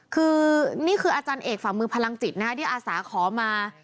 คือนี่คืออาจารย์เอกฝ่ามือพลังจิตที่อาสาขอมา